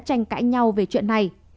tranh cãi nhau về chuyện này